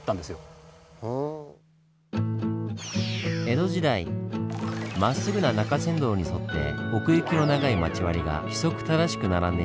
江戸時代まっすぐな中山道に沿って奥行きの長い町割りが規則正しく並んでいました。